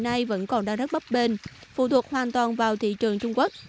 cá sấu thương phẩm này vẫn còn đang rất bấp bên phụ thuộc hoàn toàn vào thị trường trung quốc